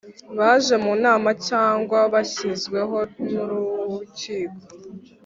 baje mu nama cyangwa bashyizweho n Urukiko